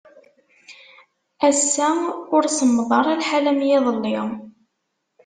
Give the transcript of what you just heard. Assa ur semmeḍ ara lḥal am yiḍelli.